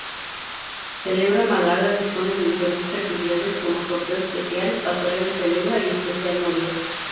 Celebra Málaga dispone de diferentes actividades como: Sorteo especial, Pasarela Celebra y Especial Novias.